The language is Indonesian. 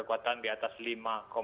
jadi ini adalah hal yang harus dilakukan